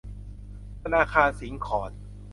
ธนาคารสิงขร